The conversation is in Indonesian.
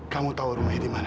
kamu tahu rumahnya di mana